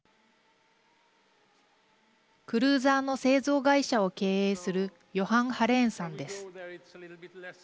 クルーザーの製造会社を経営するヨハン・ハレーンさんです。